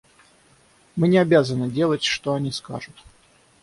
Мы не обязаны делать, что они скажут.